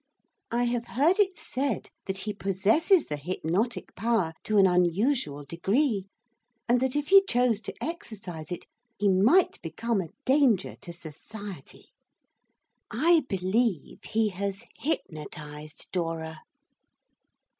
I have heard it said that he possesses the hypnotic power to an unusual degree, and that, if he chose to exercise it, he might become a danger to society. I believe he has hypnotised Dora.